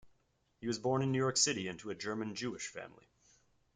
He was born in New York City into a German-Jewish family.